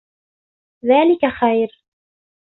ذَلِكَ خَيْرٌ